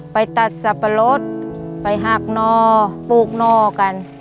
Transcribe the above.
ไปตัดสับปะรดไปหักนอปลูกนอกัน